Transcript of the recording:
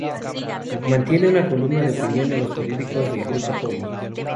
Mantiene una columna de opinión en los periódicos del Grupo Joly.